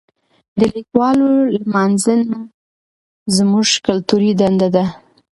د لیکوالو لمانځنه زموږ کلتوري دنده ده.